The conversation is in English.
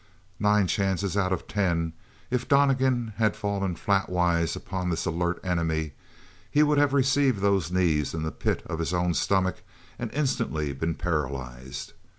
Nine chances out of ten, if Donnegan had fallen flatwise upon this alert enemy, he would have received those knees in the pit of his own stomach and instantly been paralyzed.